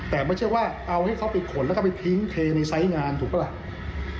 แต่ไม่ใช่ว่าเอาให้เขาไปขนแล้วก็ไปทิ้งเทในไซส์งานถูกปะล่ะ